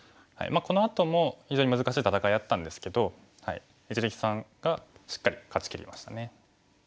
このあとも非常に難しい戦いだったんですけど一力さんがしっかり勝ちきりましたね。